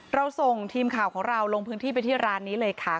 เราส่งทีมข่าวของเราลงพื้นที่ไปที่ร้านนี้เลยค่ะ